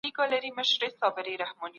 د سياسي قدرت له پاره سالمه مبارزه وکړئ.